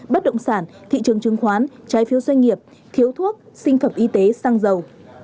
bất động sản thị trường chứng khoán trái phiếu doanh nghiệp thiếu thuốc sinh phẩm y tế xăng dầu